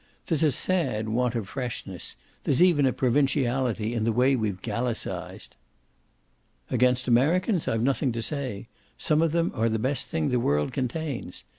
There's a sad want of freshness there's even a provinciality in the way we've Gallicised." "Against Americans I've nothing to say; some of them are the best thing the world contains.